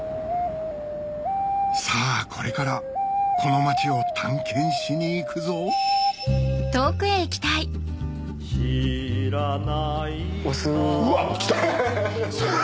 さぁこれからこの町を探検しに行くぞ知らない街をうわっきた！